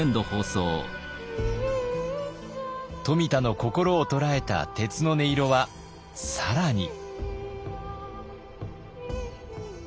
冨田の心を捉えた鉄の音色は更に。